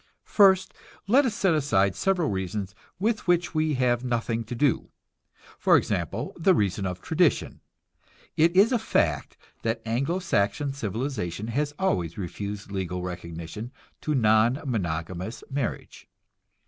First, let us set aside several reasons with which we have nothing to do. For example, the reason of tradition. It is a fact that Anglo Saxon civilization has always refused legal recognition to non monogamous marriage.